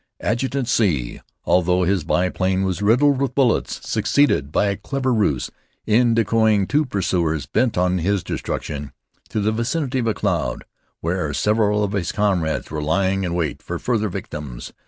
Adjutant C , although his biplane was riddled with bullets, succeeded, by a clever ruse, in decoying two pursuers, bent on his destruction, to the vicinity of a cloud where several of his comrades were lying in wait for further victims.